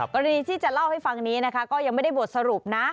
กรณีที่จะเล่าให้ฟังนี้นะคะก็ยังไม่ได้บทสรุปนะ